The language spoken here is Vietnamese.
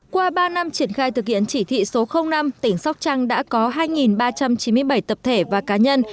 qua ba năm triển khai thực hiện chỉ thị số năm tỉnh sóc trăng đã có hai ba trăm chín mươi bảy tập thể và cá nhân